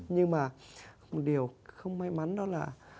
nhưng mà một điều không may mắn đó là